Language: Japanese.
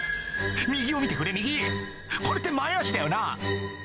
右を見てくれ右これって前足だよな